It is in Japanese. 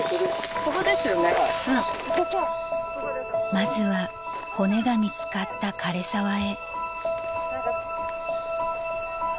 ［まずは骨が見つかった枯れ沢へ］